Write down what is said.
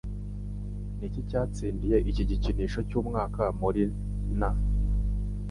Niki cyatsindiye igikinisho cyumwaka muri na ?